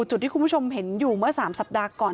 จุดที่คุณผู้ชมเห็นอยู่เมื่อ๓สัปดาห์ก่อน